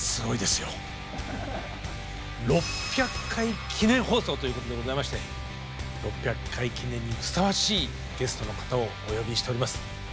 ６００回記念放送ということでございまして６００回記念にふさわしいゲストの方をお呼びしております。